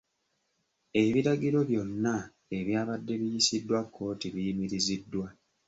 Ebiragiro byonna ebyabadde biyisiddwa kkooti biyimiriziddwa.